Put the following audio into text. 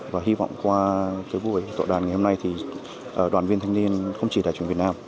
và hy vọng qua cái buổi tội đàn ngày hôm nay thì đoàn viên thanh niên không chỉ đại trưởng việt nam